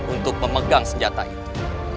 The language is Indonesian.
untuk memegang senjata itu